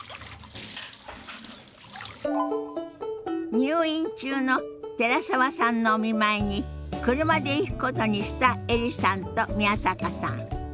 入院中の寺澤さんのお見舞いに車で行くことにしたエリさんと宮坂さん。